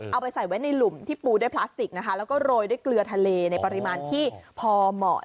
เอาไปใส่ไว้ในหลุมที่ปูด้วยพลาสติกนะคะแล้วก็โรยด้วยเกลือทะเลในปริมาณที่พอเหมาะ